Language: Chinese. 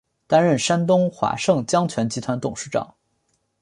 担任山东华盛江泉集团董事长。